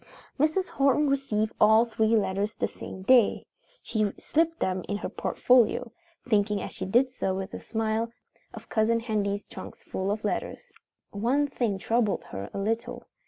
Mrs. Horton received all three letters the same day. She slipped them away in her portfolio, thinking as she did so, with a smile, of Cousin Hendy's trunks full of letters. One thing troubled her a little.